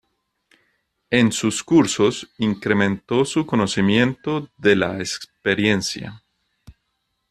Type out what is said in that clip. En sus cursos, incrementó su conocimiento de la experiencia.